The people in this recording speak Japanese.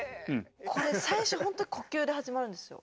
これ最初ほんと呼吸で始まるんですよ。